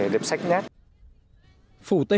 được các nhóm hoạt động của hà nội